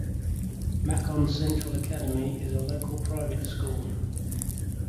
Macon Central Academy is a local private school.